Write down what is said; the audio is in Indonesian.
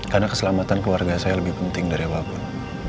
karena keselamatan keluarga saya lebih penting dari apapun